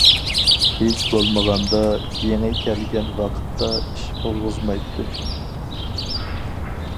ھېچ بولمىغاندا يېڭى كەلگەن ۋاقىتتا ئىش قىلغۇزمايتتى.